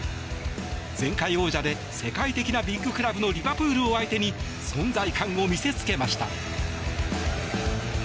前回王者で世界的なビッグクラブのリバプールを相手に存在感を見せつけました。